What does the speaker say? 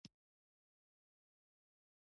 افغانستان د سرحدونه لپاره مشهور دی.